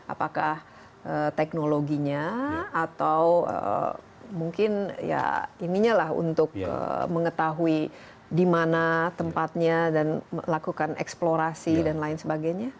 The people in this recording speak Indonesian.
apakah teknologinya atau mungkin ya ininya lah untuk mengetahui di mana tempatnya dan melakukan eksplorasi dan lain sebagainya